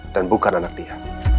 dan bukan anak dia